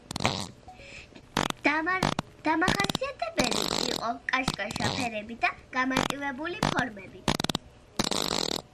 დამახასიათებელი იყო კაშკაშა ფერები და გამარტივებული ფორმები.